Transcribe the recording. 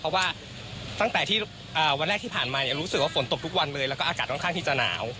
เพราะว่าตั้งแต่ที่วันแรกที่ผ่านมารู้สึกว่าฝนตกทุกวันเลยแล้วก็อากาศค่อนข้างที่จะหนาว